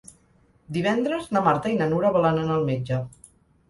Divendres na Marta i na Nura volen anar al metge.